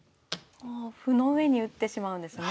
歩の上に打ってしまうんですね。